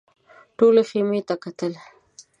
ټولو خيمې ته کتل.